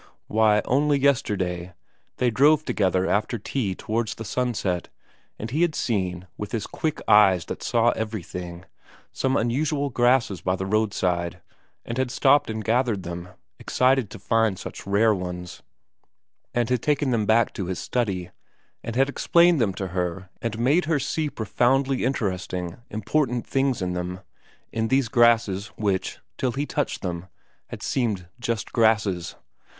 Why, only yesterday they drove together after tea towards the sunset, and he had seen, with his quick eyes that saw everything, some unusual grasses by the road side, and had stopped and gathered them, excited to find such rare ones, and had taken them back with him to study, and had explained them to her and made her see profoundly interesting, important things in them, in these grasses which, till he touched them, had seemed just grasses.